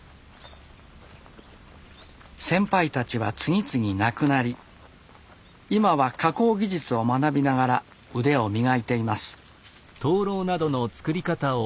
先輩たちは次々亡くなり今は加工技術を学びながら腕を磨いています。